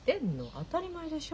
当たり前でしょ。